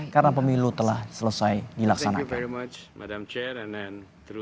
karena pemilu telah selesai dilaksanakan